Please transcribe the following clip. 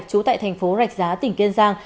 chú tại thành phố rạch giá tỉnh kiên giang